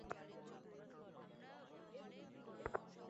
আমার ব্যাগগুলোও হুবহু এরকম।